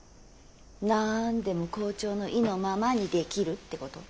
なんでも校長の意のままにできるってこと？